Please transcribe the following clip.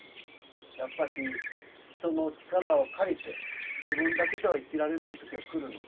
やっぱし人の力を借りて自分だけでは生きられない時が来るので。